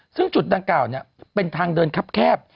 ซึ่งจุดดังกล่าวเป็นทางเดินคับแคบ